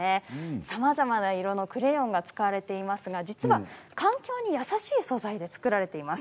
さまざまな色のクレヨンが使われていますが実は環境に優しい素材で作られています。